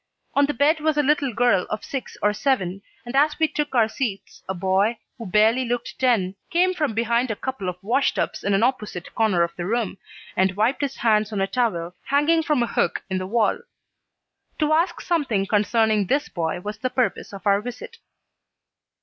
On the bed was a little girl of six or seven, and as we took our seats a boy, who barely looked ten, came from behind a couple of wash tubs in an opposite corner of the room and wiped his hands on a towel hanging from a hook in the wall. To ask something concerning this boy was the purpose of our visit.